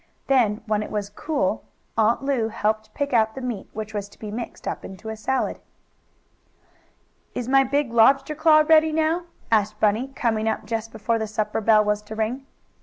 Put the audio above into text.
Then, when it was cool, Aunt Lu helped pick out the meat which was to be mixed up into a salad. "Is my big lobster claw ready now?" asked Bunny, coming up just before the supper bell was to ring.